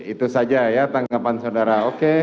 itu saja ya tanggapan saudara oke